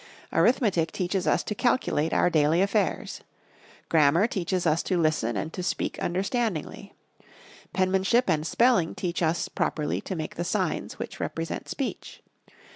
Arithmetic teaches us to calculate our daily affairs. Grammar teaches us to listen and to speak understandingly. Penmanship and Spelling teach us properly to make the signs which represent speech.